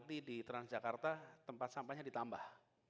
nanti di transjakarta tempat sampahnya ditambah